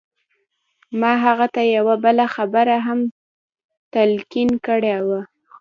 ما هغه ته یوه بله خبره هم تلقین کړې وه